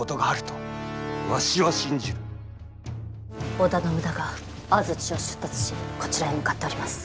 織田信長安土を出立しこちらへ向かっております。